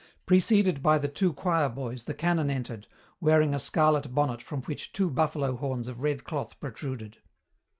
Preceded by the two choir boys the canon entered, wearing a scarlet bonnet from which two buffalo horns of red cloth protruded.